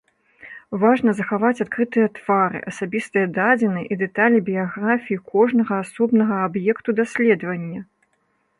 Важна захаваць адкрытыя твары, асабістыя дадзеныя і дэталі біяграфіі кожнага асобнага аб'екту даследавання.